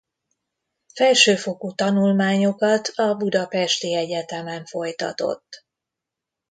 Felsőfokú tanulmányokat a budapesti egyetemen folytatott.